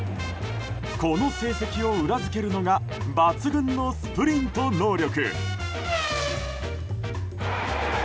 この成績を裏付けるのが抜群のスプリント能力。